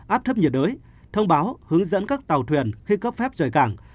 áp thấp nhiệt đới thông báo hướng dẫn các tàu thuyền khi cấp phép rời cảng